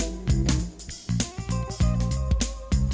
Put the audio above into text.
โอเคนะโอเคดี